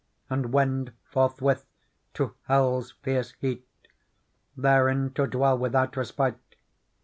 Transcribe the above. And wend forthwith to hell's fierce heat^ Therein to dwell without respite.